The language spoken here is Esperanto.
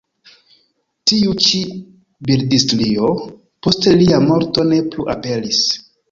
Tiu ĉi bildstrio post lia morto ne plu aperis.